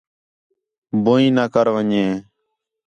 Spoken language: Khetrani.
بوݨی نہ کر ون٘ڄے